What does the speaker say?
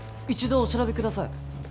一度お調べください。